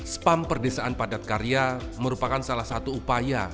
spam perdesaan padat karya merupakan salah satu upaya